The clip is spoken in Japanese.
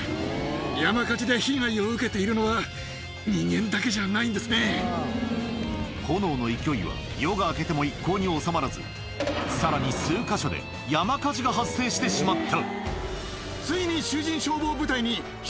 山火事で被害を受けているのは、炎の勢いは、夜が明けても一向に収まらず、さらに数か所で山火事が発生してしまった。